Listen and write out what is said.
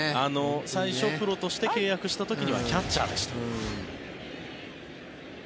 最初プロとして契約した時にはキャッチャーでした。